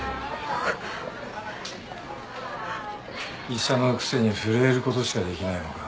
医者のくせに震えることしかできないのか？